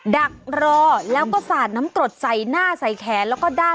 ดักเลรอแล้วก็สาดน้ำกดใส่หน้าใส่แขน